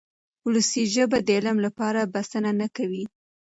ولسي ژبه د علم لپاره بسنه نه کوي.